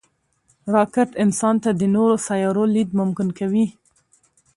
راکټ انسان ته د نورو سیارو لید ممکن کوي